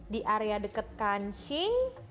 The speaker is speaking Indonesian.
di area dekat kancing